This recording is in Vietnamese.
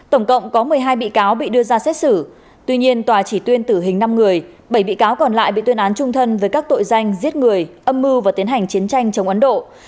tổng cộng có một mươi hai bị cáo bị đưa ra xét xử tuy nhiên tòa chỉ tuyên tử hình năm người bảy bị cáo còn lại bị tuyên án trung thân với các tội danh giết người âm mưu và tiến hành chiến tranh chống ấn độ